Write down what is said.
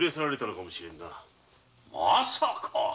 まさか。